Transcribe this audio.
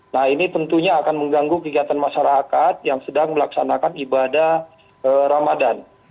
nah ini tentunya akan mengganggu kegiatan masyarakat yang sedang melaksanakan ibadah ramadan